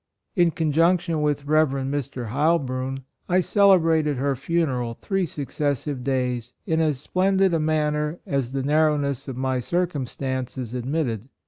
In conjunction with Rev. Mr. Heilbrun, I celebrated her funeral three successive days in as splendid a manner as the nar rowness of my circumstances ad mitted.